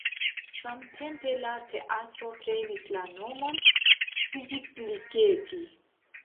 Samtempe la teatro prenis la nomon Szigligeti.